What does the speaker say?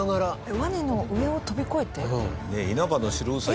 ワニの上を飛び越えて？